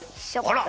あら！